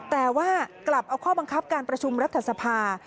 แต่ว่ากลับเอาข้อบังคับการประชุมรัฐสภา